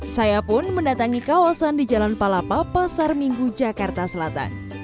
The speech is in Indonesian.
saya pun mendatangi kawasan di jalan palapa pasar minggu jakarta selatan